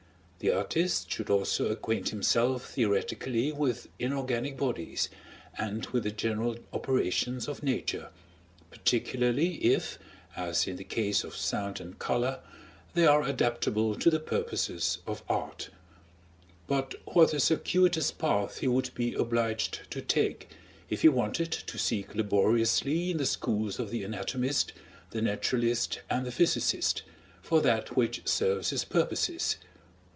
The artist should also acquaint himself theoretically with inorganic bodies and with the general operations of Nature, particularly if, as in the case of sound and color, they are adaptable to the purposes of art; but what a circuitous path he would be obliged to take if he wanted to seek laboriously in the schools of the anatomist, the naturalist, and the physicist, for that which serves his purposes!